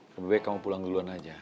lebih baik kamu pulang duluan aja